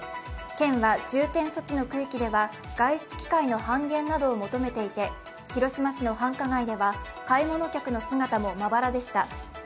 県は重点措置の区域では外出機会の半減などを求めていて広島市の繁華街では買い物客の姿もまばらでした。